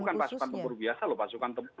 bahkan bukan pasukan tempur biasa loh pasukan tempur